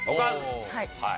はい。